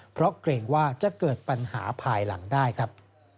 เพราะเกรงว่าจะเกิดปัญหาภายหลังได้ครับ